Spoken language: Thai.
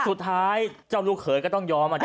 สุดท้ายเจ้าลูกเขยก็ต้องยอมอ่ะ